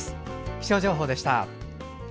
気象情報でした。